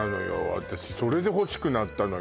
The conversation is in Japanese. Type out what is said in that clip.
私それで欲しくなったのよ